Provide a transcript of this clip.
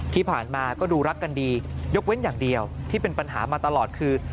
ที่ผ่านมาก็ดูรักกันดียกเว้นอย่างเดียวที่เป็นปัญหามาตลอดคือ